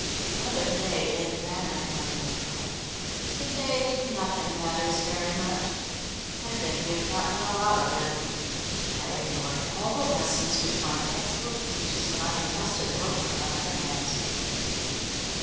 "The other day it mattered, my dear father. To day nothing matters very much. I think we have got well out of it. I ignored all the lessons which my textbook teaches when I entrusted work to other hands.